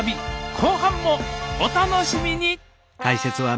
後半もお楽しみに！